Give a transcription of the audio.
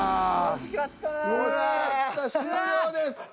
惜しかった終了です。